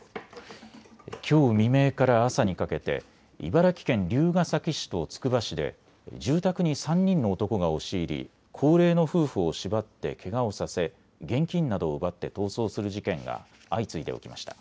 きょう未明から朝にかけて茨城県龍ケ崎市とつくば市で住宅に３人の男が押し入り高齢の夫婦を縛って、けがをさせ現金などを奪って逃走する事件が相次いで起きました。